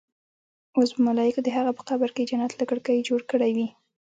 اوس به ملايکو د هغه په قبر کې جنت له کړکۍ جوړ کړې وي.